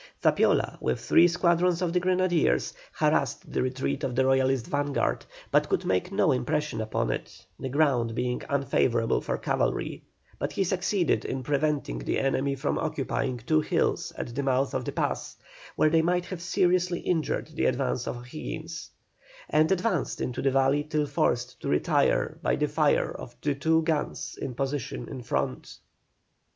Zapiola, with three squadrons of the grenadiers, harassed the retreat of the Royalist vanguard, but could make no impression upon it, the ground being unfavourable for cavalry, but he succeeded in preventing the enemy from occupying two hills at the mouth of the pass, where they might have seriously hindered the advance of O'Higgins; and advanced into the valley till forced to retire by the fire of the two guns in position in front.